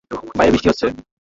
বাইরে বৃষ্টি হচ্ছে।